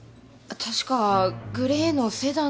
確かグレーのセダンだったと。